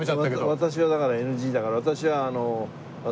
私はだからＮＧだから私は妻にですね。